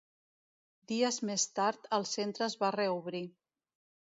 Dies més tard el centre es va reobrir.